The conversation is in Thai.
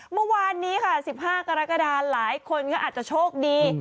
เมื่อวานนี้ค่ะ๑๕กรกฎาหลายคนก็อาจจะโชคดี